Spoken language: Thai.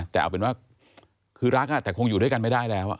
แต่เอาเป็นว่าคือรักแต่คงอยู่ด้วยกันไม่ได้แล้ว